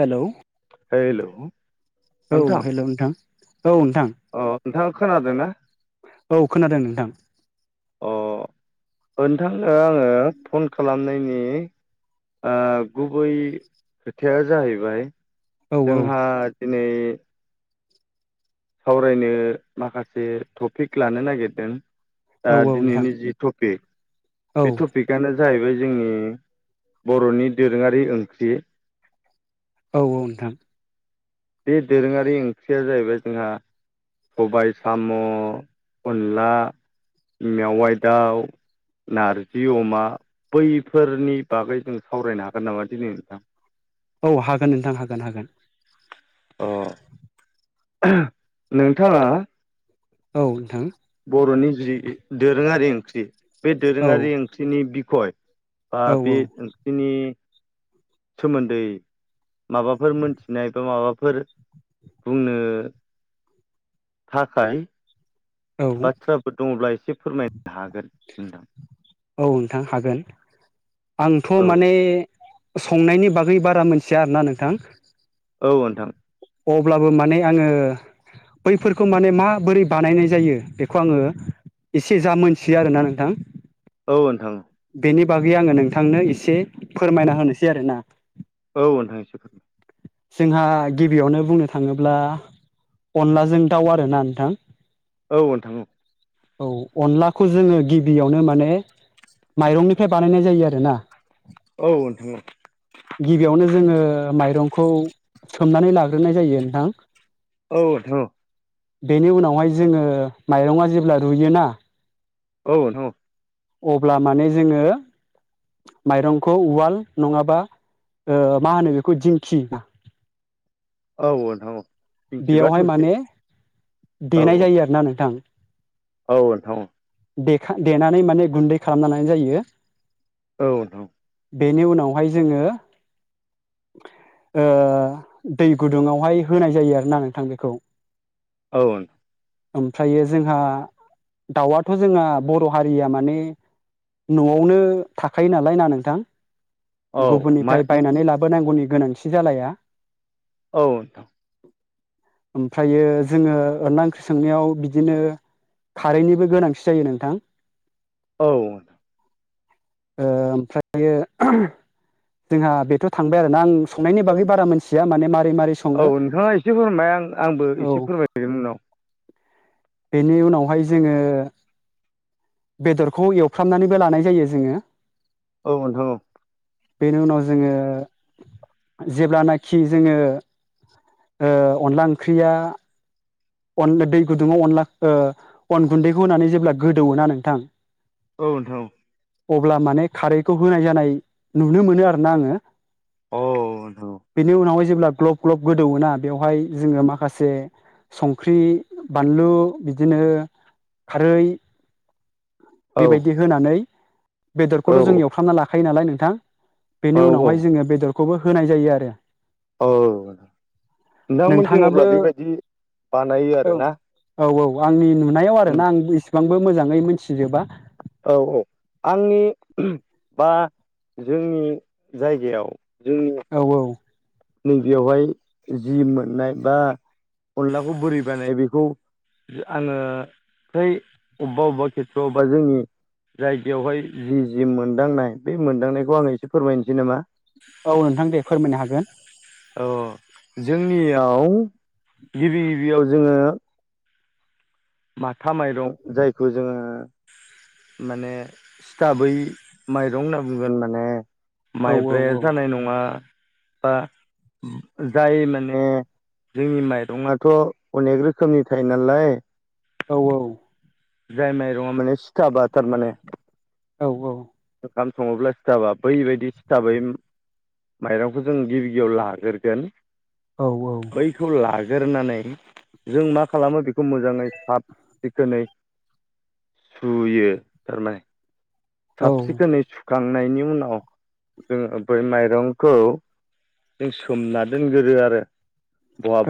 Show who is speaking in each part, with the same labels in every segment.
Speaker 1: Hello.
Speaker 2: Hello
Speaker 1: औ
Speaker 2: नोंथां
Speaker 1: hello नोंथां औ नोंथां।
Speaker 2: अ नोंथाङा खोनादोंना।
Speaker 1: औ खोनादों नोंथां।
Speaker 2: अ नोंथांनो आङो फन खालामनायनि गुबै खोथाया जाहैबाय।
Speaker 1: औ औ
Speaker 2: जोंहा दिनै सावरायनो माखासे टपिक लानो नागिरदों दा
Speaker 1: औ औ नोंथां
Speaker 2: दिनैनि जि टपिक
Speaker 1: औ
Speaker 2: बे टपिकआनो जाहैबाय जोंनि बर'नि दोरोङारि ओंख्रि
Speaker 1: औ औ नोंथां
Speaker 2: बे दोरोङारि ओंख्रिया जाहैबाय जोंहा सबाय साम' अनला मेवाय दाउ नारजि अमा बैफोरनि बागै जों सावरायनो हागोन नामा दिनै नोंथां
Speaker 1: औ हागोन नोंथां हागोन हागोन
Speaker 2: अह नोंथाङा
Speaker 1: औ नोंथां
Speaker 2: बर'नि जि दोरोङारि ओंख्रि बे
Speaker 1: औ
Speaker 2: दोरोङारि ओंख्रिनि बिखय बा बे
Speaker 1: औ
Speaker 2: ओंख्रिनि सोमोन्दै माबाफोर मोनथिनाय बा माबाफोर बुंनो थाखाय
Speaker 1: औ
Speaker 2: बाथ्राफोर दङब्ला एसे फोरमायनो हागोन नोंथां
Speaker 1: बुं नोंथां हागोन आंथ'
Speaker 2: औ
Speaker 1: माने संनायनि बागै बारा मोनथिया आरोना नोंथां
Speaker 2: औ नोंथां
Speaker 1: अब्लाबो माने आङो बैफोरखौ माने माबोरै बानायनाय जायो बेखौ आङो एसे जा मोनथियो आरोना नोंथां
Speaker 2: औ नोंथां
Speaker 1: बेनि बागै आङो नोंथांनो एसे फोरमायना होनोसै आरोना
Speaker 2: औ नोंथां एसे फोर
Speaker 1: जोंहा गिबियावनो बुंनो थाङोब्ला अनलाजों दाउ आरोना नोंथां
Speaker 2: औ नोंथां
Speaker 1: औ अनलाखौ जोङो गिबियावनो माने माइरंनिफ्राय बानायनाय जायो आरोना
Speaker 2: औ नोंथां
Speaker 1: गिबियावनो जोङो माइरं सोमनानै लाग्रोनाय जायो नोंथां
Speaker 2: औथ'
Speaker 1: बेनि उनावहाय जोङो माइरंआ जेब्ला रुयोना
Speaker 2: औ
Speaker 1: अब्ला माने जोङो माइरंखौ उवाल नङाबा मा होनो बेखौ दिंखि ना
Speaker 2: औ [unintelligible] मिथिबा
Speaker 1: बेयावहाय
Speaker 2: थौसे
Speaker 1: माने
Speaker 2: औ
Speaker 1: देनाय जायो आरोना नोंथां
Speaker 2: औ थां औ
Speaker 1: देखां देनानै माने गुन्दै खालाम लानाय जायो
Speaker 2: औ [unintelligible]
Speaker 1: बेनि उनावहाय जोङो ओ दै गुदुङावहाय होनाय जायो आरोना नोंथां बेखौ
Speaker 2: औ
Speaker 1: ओमफ्रायो जोंहा दाउआथ' जोंहा बर' हारिया माने न'आवनो थाखायो नालाय ना नोंथां
Speaker 2: औ मा
Speaker 1: गुबुननिफ्राय बायनानै लाबोनांगौनि गोनांथि जालाया
Speaker 2: औ नोंथां
Speaker 1: ओमफ्रायो जोङो अनला ओंख्रि संनायाव बिदिनो कारैनिबो गोनांथि जायो नोंथां
Speaker 2: औ।
Speaker 1: ओमफ्रायो। जोंहा बेथ' थांबाय आरोना आं संनायनि बागै बारा मोनथिया माने मारै-मारै सङो।
Speaker 2: मायआं आंबो
Speaker 1: औ
Speaker 2: एसे फोरमायहदों उनाव।
Speaker 1: बेनि उनावहाय जोङो। बेदरखौ एवफ्रामनानैबो लानाय जायो जोङो।
Speaker 2: औ ओन्थां औ।
Speaker 1: बेनि उनाव जोङो जेब्लानाखि जोङो। ओ अनला ओंख्रिया। अन दै गुदुङाव अनला ओ अन गुन्दैखौ होनानै जेब्ला गोदौवो ना नोंथां।
Speaker 2: औ नोंथां औ।
Speaker 1: अब्ला माने खारैखौ होनाय जानाय नुनो मोनो आरो ना आङो।
Speaker 2: औ ओनथां औ।
Speaker 1: बेनि उनावहाय जेब्ला ग्लब-ग्लब गोदौवोना बेवहाय जोङो माखासे। संख्रि बानलु बिदिनो खारै।
Speaker 2: औ
Speaker 1: बेबायदि होनानै। बेदरखौथ' जों एवफ्रामना लाखायो नालाय नोंथां बेनि
Speaker 2: औ औ
Speaker 1: उनावहाय जोङो बेदर। खौबो होनाय जायो आरो।
Speaker 2: औ नोंथांमोनथि
Speaker 1: नोंथाङाबो
Speaker 2: अब्ला बेबायदि बानायो आरोना।
Speaker 1: औ-औ आंनि नुनायाव
Speaker 2: उम
Speaker 1: आरोना आं इसेबांबो मोजाङै मिथिजोबा
Speaker 2: औ-औ आंनि बा जोंनि जायगायाव। जोंनि
Speaker 1: औ औ
Speaker 2: नैबेयावहाय जि मोननाय बा अनलाखौ बोरै बानायो बेखौ। आङो फ्राय अबेबा अबेबा खेथ्रआवबा जोंनि। जायगायावहाय जि-जि मोनदांनाय बे मोनदांनायखौ आङो एसे फोरमायनोसै नामा।
Speaker 1: औ नोंथां दे फोरमायनो हागोन।
Speaker 2: औ जोंनियाव गिबि गिबियाव जोङो। माथा माइरं जायखौ जोङो। माने सिथाबै माइरं होनना बुंगोन माने।
Speaker 1: औ औ
Speaker 2: माइब्राया
Speaker 1: औ
Speaker 2: जानाय नङा बा जाय माने जोंनि माइरङआथ' अनेक रोखोमनि थायो नालाय।
Speaker 1: औ औ
Speaker 2: जाय माइरङा माने सिथाबा थारमाने
Speaker 1: औ औ।
Speaker 2: ओंखाम सङोब्ला सिथाबा बैबायदि सिथाबै। माइरंखौ जों गिबि गिबियाव लागोरगोन।
Speaker 1: औ
Speaker 2: बैखौ लागोरनानै जों मा खालामो बे खौ मोजाङै साब सिखोनै सुयो थारमाने
Speaker 1: औ
Speaker 2: साब सिखोनै सु खांनायनि उनाव जोङो बै माइरंखौ। जों सोमना दोनगोरो आरो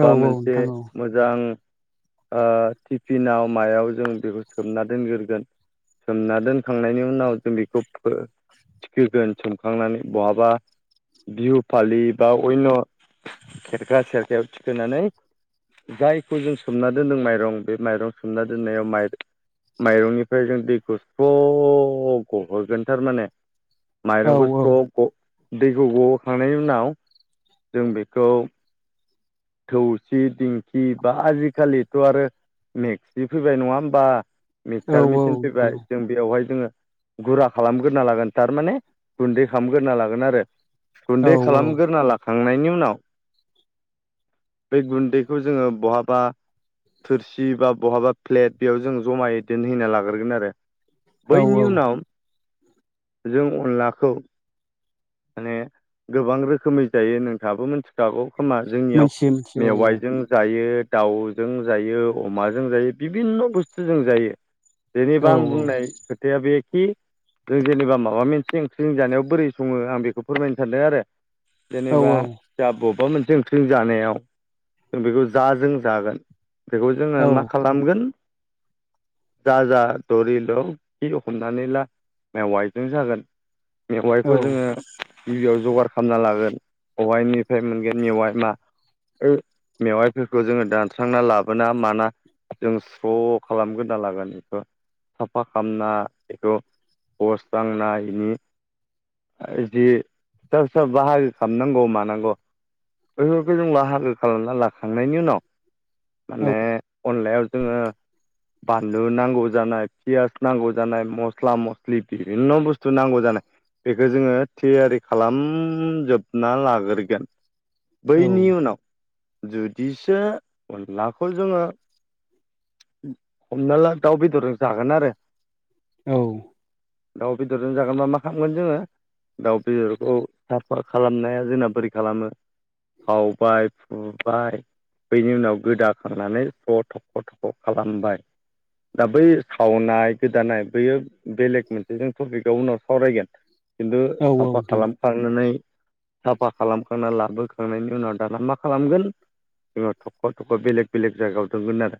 Speaker 1: औ
Speaker 2: मोनसे
Speaker 1: नोंथां
Speaker 2: मोजां। ओ टिफिनाव मायाव जों बेखौ सोमना दोनगोरगोन। सोमना दोनखांनायनि उनाव जों बेखौ फो थिखोगोन सोमखांनानै बहाबा। बिहु फालि बा अन्य' खेरखा सेरखायाव थिखोनानै। जायखौ जों सोमना दोनदों माइरं बे माइरं सोमना दोननायाव माइ माइरंनिफ्राय जों दैखौ स्रब गहोगोन थारमाने
Speaker 1: औ
Speaker 2: माइरंखौ स्रब ग दैखौ गहोखांनायनि उनाव जों बेखौ। थौसि दिंखि बा आजिखालिथ' आरो। मेक्सि फैबाय नङा होमबा
Speaker 1: औ
Speaker 2: मिक्सार मेसिन
Speaker 1: नोंथां
Speaker 2: फैबाय जों बेवहाय जोङो गुरा खालामग्रोना लागोन थारमाने गुन्दै खालामग्रोना लागोन आरो।
Speaker 1: औ
Speaker 2: गुन्दै खालामग्रोना लाखांनायनि उनाव बे गुन्दैखौ जोङो बहाबा थोरसि बा बहाबा प्लेट बेयाव जों जमायदेनहना लाग्रोगोन आरो
Speaker 1: औ
Speaker 2: बैनि उनाव जों अनलाखौ माने गोबां रोखोमै जायो नोंथाङाबो मोनथि फि जागौ खोमा जोंनियाव
Speaker 1: मोनथियो मिथियो औ
Speaker 2: मेवाइजों जायो। दाउजों जायो अमाजों जायो बिभिन्न' बुस्थुजों जायो।
Speaker 1: औ
Speaker 2: जेनेबा आं बुंनाय खोथाया बेखि जों जेनेबा माबा मोनसे ओंख्रि जानायाव बोरै सङो आं बेखौ फोरमायनो सानदों आरो।
Speaker 1: औ
Speaker 2: जेनेबा जा माबा मोनसे ओंख्रि जानायाव जों बेखौ जाजों जागोन बेखौ
Speaker 1: औ
Speaker 2: जोङो मा खालामगोन जा जा दरि दं थि हमनानै ला मेवाइजों जागोन
Speaker 1: औ
Speaker 2: मेवाइखौ
Speaker 1: नोंथां
Speaker 2: जोङो गिबियाव जगार खालामना लागोन बेहायनिफ्राय मोनगोननिहाय मा ओ मेवाइफोरखौ जोङो दानस्रांना लाबोना माना जों स्र' खालामग्रोना लागोन बेखौ साफा खालामना बेखौ पस् दांनानायनि जि फिसा- फिसा बाहागो खालामनांगौ मानांगौ बेफोरखौ जों बाहागो खालामना लाखांनायनि उनाव माने अनलायाव जोङो बानलु नांगौ जानाय पियास नांगौ जानाय मस्ला म स्लि बिन' बुस्थु नांगौ जानाय बेखौ जोङो थियारि खालामजोबना लाग्रोगोन बैनि उनाव जुदिसो अनलाखौ जोङो हमना ला दाउ बेदर जागोन आरो
Speaker 1: औ
Speaker 2: दाउ बेदरजों जागोनबा मा खालामगोन जोङो दाउ बेदरखौ साफा खालामनाया जोंना बोरै खालामो सावबाय फुबाय बेनि उनाव गोदाखांनानै ज' थख' थख' खालामबाय दा बै सावनाय गोदानाय बैयो बेलेग मोनसे जों टपिकआव उनाव सावरायगोन खिन्थु
Speaker 1: औ औ नोंथां औ
Speaker 2: साफा
Speaker 1: औ
Speaker 2: खालामखनानै साफा खालामखांना लाबोखांनायनि उनाव दाना मा खालामगोन जोङो थख-' थख' बेलेग -बेलेग जायगायाव दगोन आरो।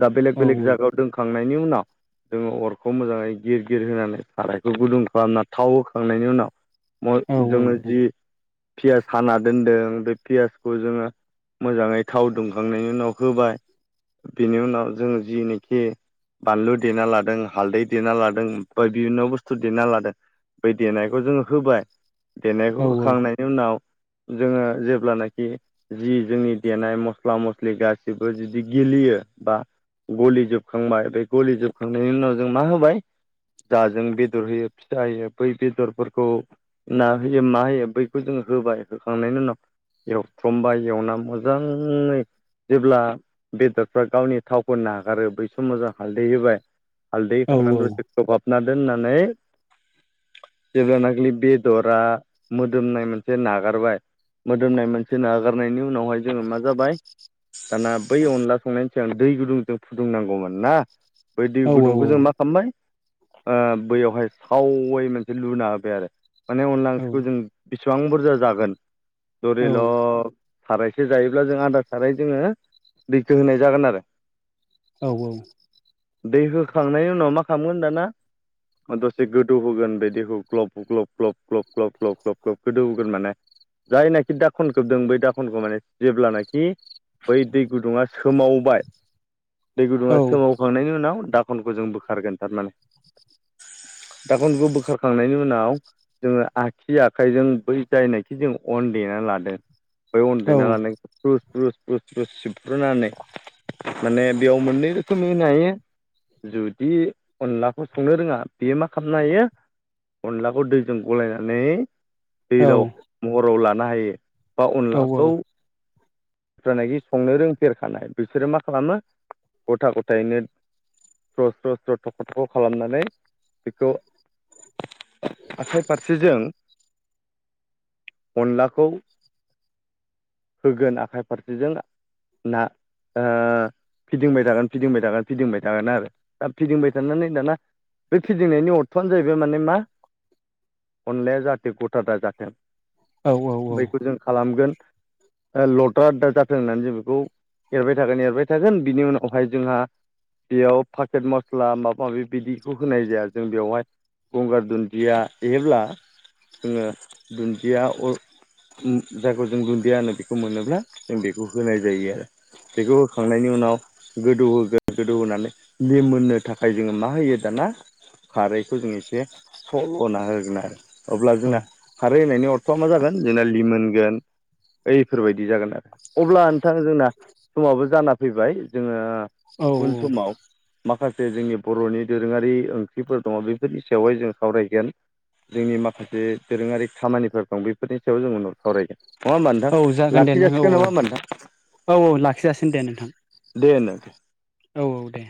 Speaker 2: दा बेलेग-
Speaker 1: औ
Speaker 2: बेलेग
Speaker 1: औ
Speaker 2: जायगायाव दोनखांनायनि उनाव जोङो अरखौ मोजाङै गिर- गिर होनानै सारायखौ गुदुं खालामना थाव होखांनायनि उनाव जोङो जि पियास खाना दोन्दों बे पियासखौ जोङो मोजाङै थाव दुंखांनायनि उनाव होबाय बेनि उनाव जों जिनोखि बानलु देना लादों हालदै देना लादों जों फ्राय बिभन्न' बुस्थु देना लादों बै देनायखौ जोङो होबाय देनायखौ होखांनायनि उनाव जोङो जेब्लानाखि जि जोंनि देनाय मस्ला मस्लि गासिबो जुदि गिलि बा गलि जोबखांबाय बे गलि जोबखांनायनि उनाव जों मा होबाय जाजों बेदर होयो फिसा होयो बै बेदरफोरखौ ना होयो मा होयो बैखौ जों होबाय होखांनायनि उनाव एवथ्रमबाय एवना मोजाङै जेब्ला बेदरफ्रा गावनि थावखौ नागारो बै समाव जों हालदै होबाय हालदै होखांना दसे खोबहाबना दोननानै जेब्लानाखिलि बेदरा मोदोमनाय मोनसे नागारबाय मोदोमनाय मोनसे नागारनायनि उनावहाय जोङो मा जाबाय दाना बै अनला संनायनि सिगां दै गुदुंजों फुदुंनांगौमोन ना बै दै गुदुंखौ जों मा खालामबाय ओ बैयावहाय सावै मोनसे लुना होबाय आरो माने अनला ओंख्रिखौ जों बेसेबां बुरजा जागोन दरिल'ग सारायसे जायोब्ला जों आदार साराय जोङो दैखो होनाय जागोन आरो
Speaker 1: औ
Speaker 2: दै होखांनायनि उनाव मा खालामगोन दाना दसे गोदौ होगोन बेदैखौ ग्लब- ग्लब- ग्लब ग्लब- ग्लब- ग्लब -ग्लब -ग्लब गोदौ होगोन माने जायनाखि दाखनखौ दं बै दाखनखौ माने जेब्लानाखि बै दै गुदुङा सोमावबाय दै गुदुङा सोमावखांनायनि उनाव दाखनखौ जों बोखारगोन थारमाने। दाखोनखौ बोखारखांनायनि उनाव जोङो आगसि आखाइजों बै जायनाखि जों अन देना लादों बे अन देना लानायखौ फ्रु फ्रु फ्रु सेफ्रुनानै माने बेयाव मोननै रोखोमनि होनो हायो जुदि अनला संनो रोङा बेयो मा खालामनो हायो अनलाखौ दैजों गलायनानै दैलाव महराव लानो हायो बा अनलाखौ होनायनि संनो रोंफेरखानाय बिसोरो मा खालामो गथा गथायैनो स्र' स्र' स्र' थ खालामनानै बेखौ आसखाइ फारसेजों अनलाखौ होगोन आखाइ फारसेजों ना ओ फिदिंबाय थागोन फिदिंबाय थागोन फिदिंबाय थागोन आरो दा फिदिंबाय थानानै दाना बे फिदिंनायनि अर्थ'आनो जाहैबाय माने मा अनलाया जाहाथे गथादा जाथों बैखौ जों खालामगोन लद्रा दा जाथों होननानै जों बेखौ एरबाय थागोन एरबाय थागोन बिनि उनावहाय जोंहा बेयाव पाकेट मस्ला मा बा बिदिखौ होनाय जाया जों बेवहाय गंगार दुन्दिया एब्ला जोङो दुन्दिया अर उ जायखौ जों दुन्दिया होनो बेखौ मोनोब्ला जों बेखौ होनाय जायो आरो बेखौ होखांनायनि उनाव गोदौ होगोन गोदौ होनानै बे मोननो थाखाय ओमफ्राय जोङो मा होयो दाना खारैखौ जों एसे स'लुना होगोन आरो अब्ला जोंना खारै होनायनि अर्थ'आ मा जागोन जोंना लिमोनगोन ओयफोरबायदि जागोन आरो अब्ला नोंथां जोंना समाबो जाना फैबाय जोङो उन समाव माखासे जे जोंनि बर'नि दोरोङारि ओंख्रिफोर दङ बेफोरनि सायावहाय जों सावरायगोन जोंनि माखासे दोरोङारि खामानिफोर दं बेफोरनि सायाव जों उनाव सावरायगोन नङा होमबा नोंथां लाखि जासिगोन नंङा होमबा नोंथां
Speaker 1: औ-औ लाखिजासिनो दे नोंथां
Speaker 2: दे नोंथां
Speaker 1: औ-औ दे